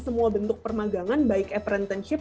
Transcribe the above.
semua bentuk pemagangan baik apprenticeship